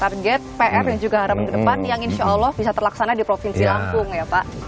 target pr dan juga harapan ke depan yang insya allah bisa terlaksana di provinsi lampung ya pak